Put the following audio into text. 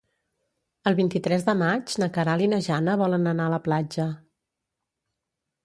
El vint-i-tres de maig na Queralt i na Jana volen anar a la platja.